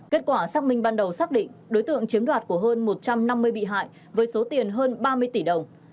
kết quả xác minh ban đầu xác định đối tượng chiếm đoạt của hơn một trăm năm mươi bị hại với số tiền hơn ba mươi tỷ đồng